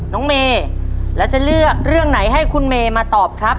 น้องเมย์แล้วจะเลือกเรื่องไหนให้คุณเมย์มาตอบครับ